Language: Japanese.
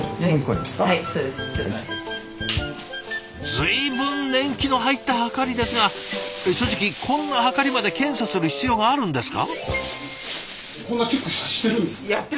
随分年季の入ったはかりですが正直こんなはかりまで検査する必要があるんですか？